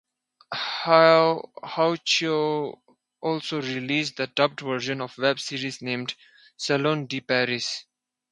Hoichoi also released the dubbed version of the web series named Salon De Paris.